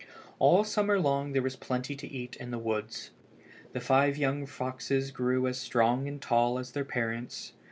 All summer long there was plenty to eat in the woods. The five young foxes grew as strong and tall as their parents.